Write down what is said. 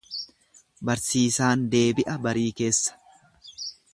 Barsiisaan deebi'a barii keessa.